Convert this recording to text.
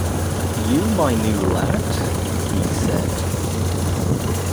“You my new lad?” he said.